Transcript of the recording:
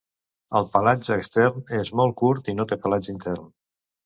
El pelatge extern és molt curt i no té pelatge intern.